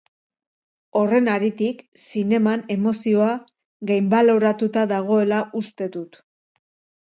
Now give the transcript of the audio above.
Horren haritik, zineman emozioa gainbaloratuta dagoela uste dut.